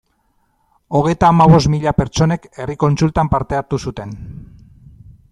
Hogeita hamabost mila pertsonek herri kontsultan parte hartu zuten.